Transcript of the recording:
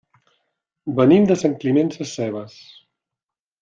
Venim de Sant Climent Sescebes.